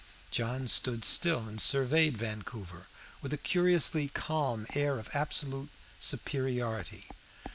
John stood still and surveyed Vancouver with a curiously calm air of absolute superiority.